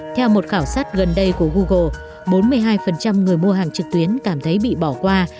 theo một khảo sát gần đây của google bốn mươi hai người mua hàng trực tuyến cảm thấy bị bỏ qua